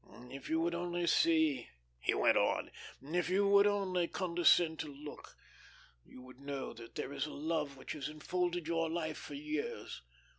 "If you would only see," he went on. "If you would only condescend to look, you would know that there is a love which has enfolded your life for years.